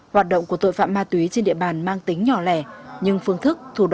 hoạt động của tội phạm ma túy trên địa bàn mang tính nhỏ lẻ nhưng phương thức thủ đoạn tinh vi kín đáo